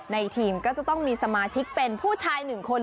ทีมก็จะต้องมีสมาชิกเป็นผู้ชายหนึ่งคน